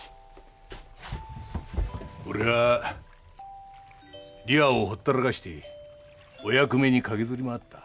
俺は里和をほったらかしてお役目にかけずり回った。